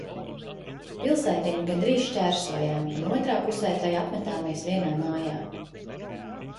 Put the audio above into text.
Pilsētiņu gandrīz šķērsojām un otrā pusē tai apmetāmies vienā mājā.